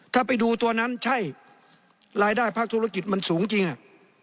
ถ้าไปดูตัวนั้นใช่รายได้ภาคธุรกิจมันสูงจริงอ่ะ